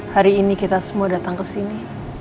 hari ini kita semua datang ke sini